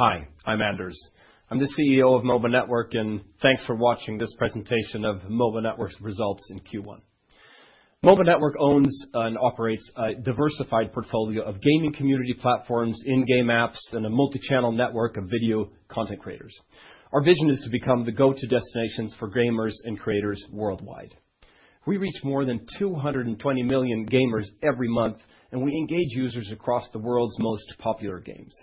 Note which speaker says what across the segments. Speaker 1: Hi, I'm Anders. I'm the CEO of M.O.B.A. Network, and thanks for watching this presentation of M.O.B.A. Network's results in Q1. M.O.B.A. Network owns and operates a diversified portfolio of gaming community platforms, in-game apps, and a multi-channel network of video content creators. Our vision is to become the go-to destinations for gamers and creators worldwide. We reach more than 220 million gamers every month, and we engage users across the world's most popular games.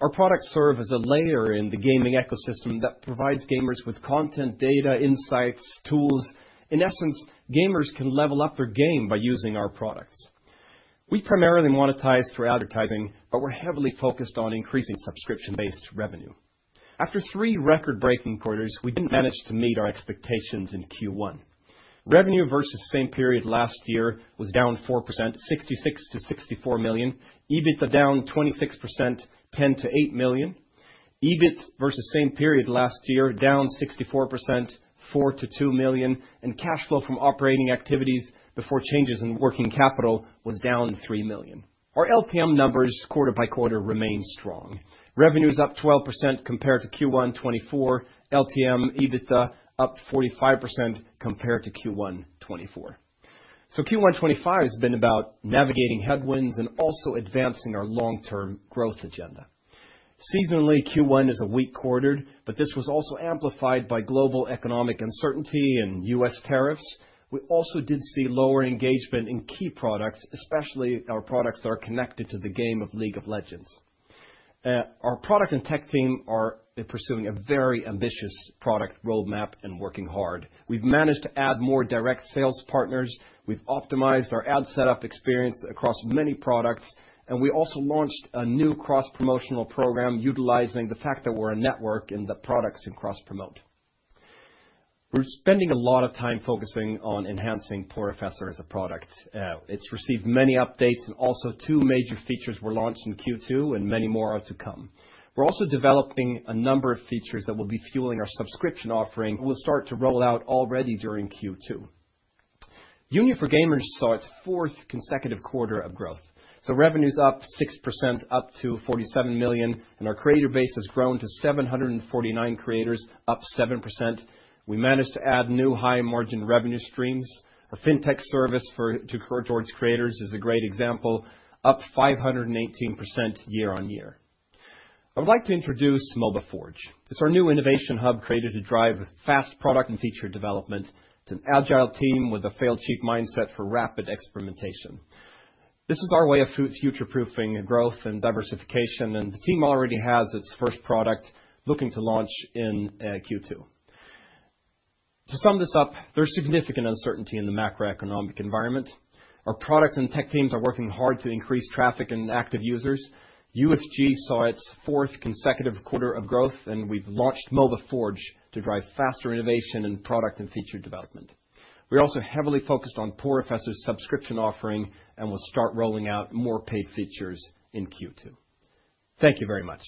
Speaker 1: Our products serve as a layer in the gaming ecosystem that provides gamers with content, data, insights, tools. In essence, gamers can level up their game by using our products. We primarily monetize through advertising, but we're heavily focused on increasing subscription-based revenue. After three record-breaking quarters, we didn't manage to meet our expectations in Q1. Revenue versus same period last year was down 4%, $66 million to $64 million. EBITDA down 26%, $10 million to $8 million. EBIT versus same period last year down 64%, $4 million to $2 million. Cash flow from operating activities before changes in working capital was down $3 million. Our LTM numbers quarter by quarter remain strong. Revenue is up 12% compared to Q1 2024. LTM EBITDA up 45% compared to Q1 2024. Q1 2025 has been about navigating headwinds and also advancing our long-term growth agenda. Seasonally, Q1 is a weak quarter, but this was also amplified by global economic uncertainty and U.S. tariffs. We also did see lower engagement in key products, especially our products that are connected to the game of League of Legends. Our product and tech team are pursuing a very ambitious product roadmap and working hard. We have managed to add more direct sales partners. We've optimized our ad setup experience across many products, and we also launched a new cross-promotional program utilizing the fact that we're a network and the products can cross-promote. We're spending a lot of time focusing on enhancing Porofessor as a product. It's received many updates, and also two major features were launched in Q2, and many more are to come. We're also developing a number of features that will be fueling our subscription offering and will start to roll out already during Q2. Union for Gamers saw its fourth consecutive quarter of growth. Revenue's up 6%, up to $47 million, and our creator base has grown to 749 creators, up 7%. We managed to add new high-margin revenue streams. Our fintech service for towards creators is a great example, up 518% year on year. I would like to introduce M.O.B.A. Forge. It's our new innovation hub created to drive fast product and feature development. It's an agile team with a fail cheap mindset for rapid experimentation. This is our way of future-proofing growth and diversification, and the team already has its first product looking to launch in Q2. To sum this up, there's significant uncertainty in the macroeconomic environment. Our products and tech teams are working hard to increase traffic and active users. UFG saw its fourth consecutive quarter of growth, and we've launched M.O.B.A. Forge to drive faster innovation in product and feature development. We also heavily focused on Poroffessor's subscription offering and will start rolling out more paid features in Q2. Thank you very much.